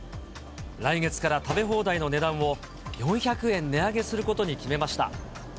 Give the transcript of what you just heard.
来月から食べ放題の値段を４００円値上げすることに決めました。